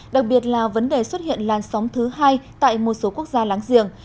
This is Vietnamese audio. đặc biệt là vấn đề xuất hiện lan sóng thứ hai tại một số quốc gia láng giềng